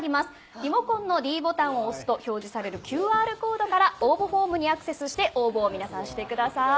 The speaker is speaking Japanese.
リモコンのｄボタンを押すと表示されるＱＲコードから応募フォームにアクセスして皆さん応募してください。